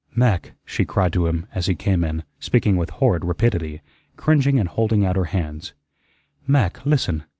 "Mac," she cried to him, as he came in, speaking with horrid rapidity, cringing and holding out her hands, "Mac, listen.